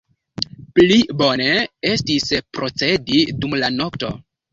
Pli bone estis procedi dum la nokto.